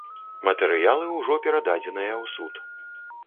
Матэрыялы ўжо перададзеныя ў суд.